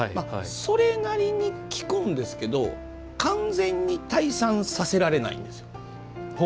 それなりに効くんですけど完全に退散させられないんです。